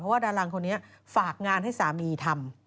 ว่าดารางคนนี้ฝากงานให้สามีทำ